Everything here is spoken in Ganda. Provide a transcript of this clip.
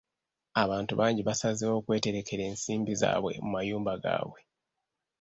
Abantu bangi basazeewo okweterekera ensimbi zaabwe mu mayumba gaabwe.